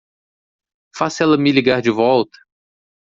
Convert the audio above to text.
Faça ela me ligar de volta!